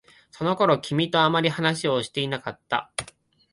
その頃、君とあまり話をしていなかった。